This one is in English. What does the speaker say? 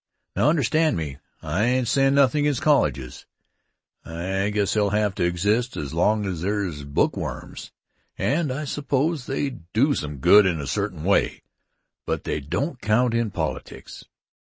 Now, understand me I ain't sayin' nothin' against colleges. I guess they'll have to exist as long as there's book worms, and I suppose they do some good in a certain way, but they don't count in politics.